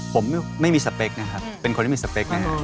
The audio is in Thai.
ผมไม่มีสเปคนะครับเป็นคนที่มีสเปคนะครับ